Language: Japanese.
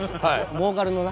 ボーカルのな。